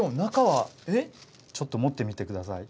ちょっと持ってみて下さい。